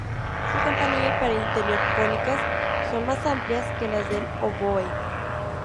Su campanilla y pared interior cónicas son más amplias que las del oboe.